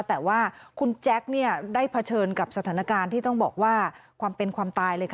แต่ว่าคุณแจ๊คได้เผชิญกับสถานการณ์ที่ต้องบอกว่าความเป็นความตายเลยค่ะ